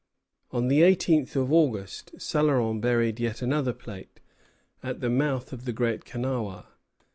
On the eighteenth of August, Céloron buried yet another plate, at the mouth of the Great Kenawha.